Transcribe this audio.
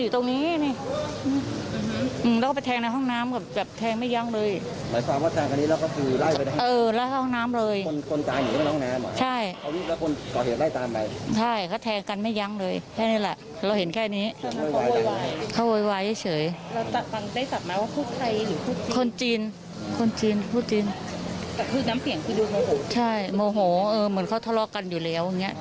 ใช่โอ้โฮเหมือนเขาทะเลาะกันอยู่แล้วอย่างเงี้ย